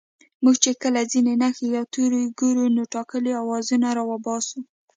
موږ چې کله ځينې نښې يا توري گورو نو ټاکلي آوازونه راوباسو